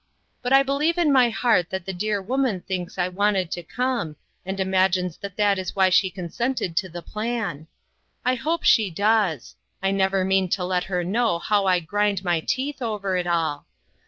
But I believe in my heart the dear woman thinks I wanted to come, and imagines that that is why she consented to the plan. 244 INTERRUPTED. I hope she does. I never mean to let her know how I grind my teeth over it all.